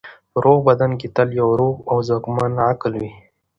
په روغ بدن کې تل یو روغ او ځواکمن عقل وي.